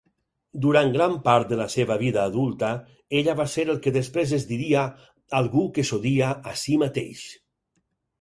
Durant gran part de la seva vida adulta, ella va ser el que després es diria "algú que s"odia a si mateix".